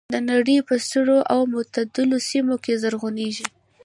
د نړۍ په سړو او معتدلو سیمو کې زرغونېږي.